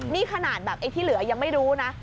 นี่ขนาดแบบไอ้ที่เหลือยังไม่รู้นะ